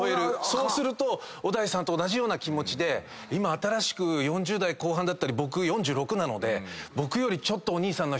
そうすると小田井さんと同じような気持ちで今新しく４０代後半だったり僕４６なので。